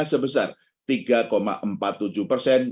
sebesar tiga empat puluh tujuh persen